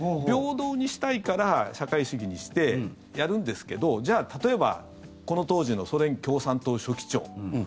平等にしたいから社会主義にしてやるんですけどじゃあ、例えばこの当時のソ連共産党書記長。